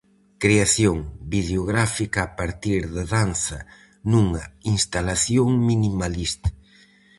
Creación videográfica a partir de danza nunha instalación minimalista.